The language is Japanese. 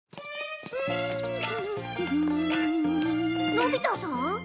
のび太さん？